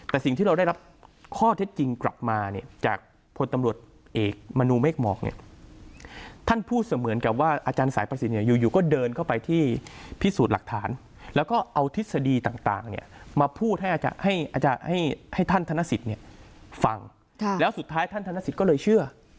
แต่สิ่งที่เราได้รับข้อเท็จจริงกลับมาเนี่ยจากพลตำรวจเอกมนูเมฆหมอกเนี่ยท่านพูดเสมือนกับว่าอาจารย์สายประสิทธิ์เนี่ยอยู่ก็เดินเข้าไปที่พิสูจน์หลักฐานแล้วก็เอาทฤษฎีต่างเนี่ยมาพูดให้ท่านธนสิทธิ์ฟังแล้วสุดท้ายท่านธนสิทธิ์ก็เลยเชื่อ